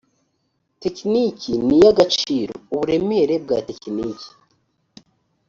tekiniki n ay igiciro uburemere bwa tekiniki